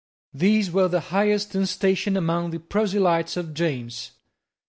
These were the highest in station among the proselytes of James.